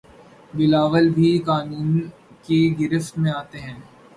بلاول بھی قانون کی گرفت میں آتے ہیں